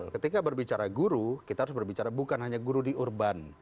ketika berbicara guru kita harus berbicara bukan hanya guru di urban